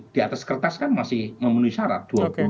di atas kertas kan masih memenuhi syarat